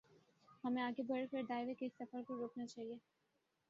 ہمیں آگے بڑھ کر دائرے کے اس سفر کو روکنا چاہیے۔